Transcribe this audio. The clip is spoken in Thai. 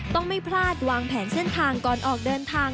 ต้องไม่พลาดวางแผนเส้นทางก่อนออกเดินทาง